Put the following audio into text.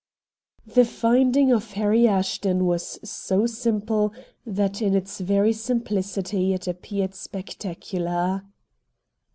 The finding of Harry Ashton was so simple that in its very simplicity it appeared spectacular.